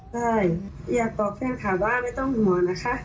ใช่อยากบอกแฟนขาวว่าไม่ต้องห่วงนะคะ